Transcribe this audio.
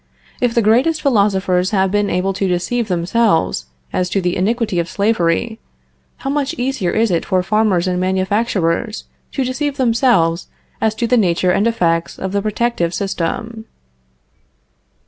If the greatest philosophers have been able to deceive themselves as to the iniquity of slavery, how much easier is it for farmers and manufacturers to deceive themselves as to the nature and effects of the protective system.